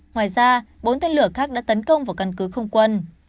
ngoài ra bốn tên lửa khác đã tấn công vào căn cứ không quân